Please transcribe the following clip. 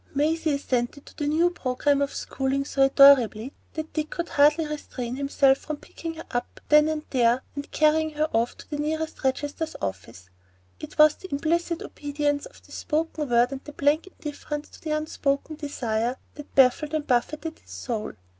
Maisie assented to the new programme of schooling so adorably that Dick could hardly restrain himself from picking her up then and there and carrying her off to the nearest registrar's office. It was the implicit obedience to the spoken word and the blank indifference to the unspoken desire that baffled and buffeted his soul.